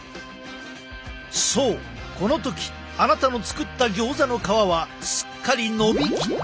そうこの時あなたの作ったギョーザの皮はすっかりのびきっていたのだ。